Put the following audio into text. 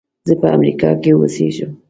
زه په امریکا کې اوسېږم.